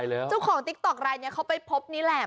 เจ้าของติ๊กต๊อกรายนี้เขาไปพบนี่แหละ